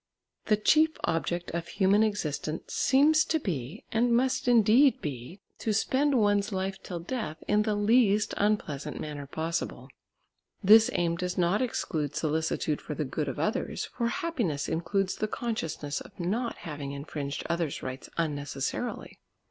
The chief object of human existence seems to be, and must indeed be, to spend one's life till death in the least unpleasant manner possible. This aim does not exclude solicitude for the good of others, for happiness includes the consciousness of not having infringed others' rights unnecessarily.